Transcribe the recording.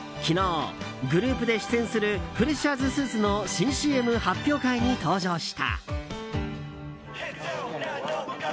昨日、グループで出演するフレッシャーズスーツの新ＣＭ発表会に登場した。